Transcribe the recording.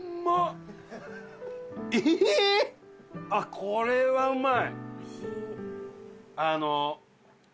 これはうまい。